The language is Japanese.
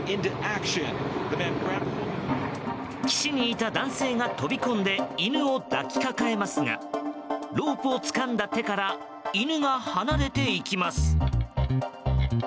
岸にいた男性が飛び込んで犬を抱きかかえますがロープをつかんだ手から犬が離れていきます。